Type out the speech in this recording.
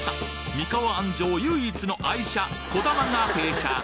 三河安城唯一の愛車こだまが停車！